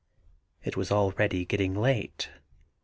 It was already getting late.